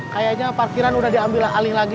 kayaknya parkiran udah diambil alih lagi